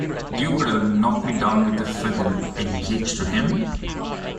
You could have knocked me down with a feather. "Engaged to him?"